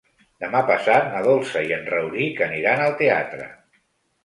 Demà passat na Dolça i en Rauric aniran al teatre.